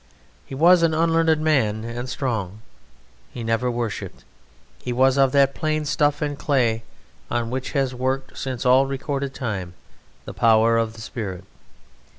He was an unlearned man and a strong; he never worshipped. He was of that plain stuff and clay on which has worked since all recorded time the power of the Spirit.